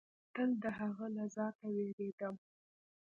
تل د هغه له ذاته وېرېدم.